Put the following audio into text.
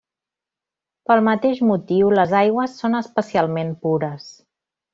Pel mateix motiu, les aigües són especialment pures.